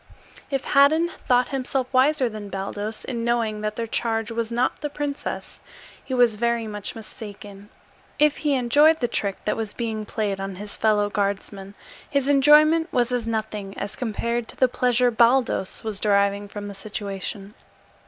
If Haddan thought himself wiser than Baldos in knowing that their charge was not the princess, he was very much mistaken; if he enjoyed the trick that was being played on his fellow guardsman, his enjoyment was as nothing as compared to the pleasure Baldos was deriving from the situation.